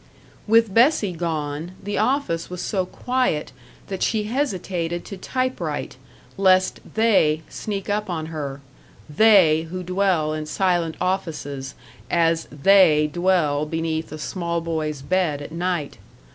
With Bessie gone, the office was so quiet that she hesitated to typewrite lest They sneak up on her They who dwell in silent offices as They dwell beneath a small boy's bed at night.